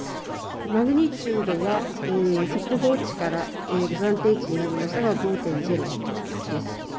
マグニチュードは速報値から暫定値になりましたが５．０です。